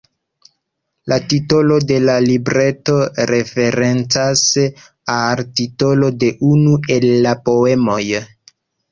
La titolo de la libreto referencas al titolo de unu el la poemoj.